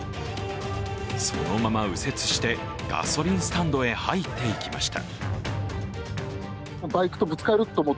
そのまま右折してガソリンスタンドへ入っていきました。